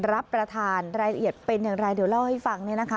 รับประทานรายละเอียดเป็นอย่างไรเดี๋ยวเล่าให้ฟังเนี่ยนะคะ